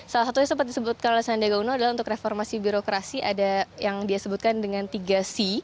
salah satunya sempat disebutkan oleh sandiaga uno adalah untuk reformasi birokrasi ada yang dia sebutkan dengan tiga c